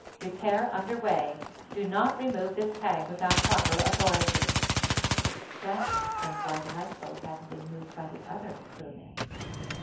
Repair Work Under Way Do Not Remove This Tag Without Proper Authority. That explained why the lifeboat hadn't been used by the other crewmen.